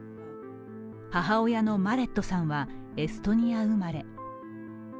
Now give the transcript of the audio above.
母親のマレットさんはエストニア生まれ。